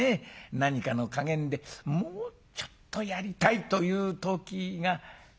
何かの加減でもうちょっとやりたいという時がございましょう。